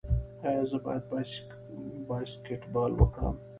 ایا زه باید باسکیټبال وکړم؟